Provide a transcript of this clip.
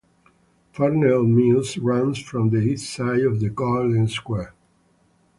Farnell Mews runs from the east side of the garden square.